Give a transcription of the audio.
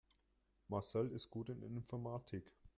Marcel ist gut in Informatik.